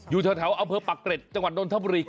อยู่แถวอับเพิร์ศปักตริัตรจังหวัดนทบุรี